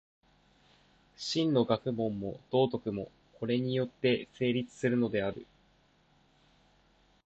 真の学問も道徳も、これによって成立するのである。